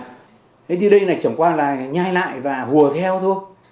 thế thì đây này trầm qua là nhai lại và hùa theo thôi